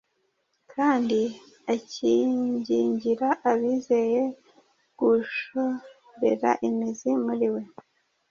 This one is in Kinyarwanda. kandi akingingira abizeye “gushorera imizi muri We,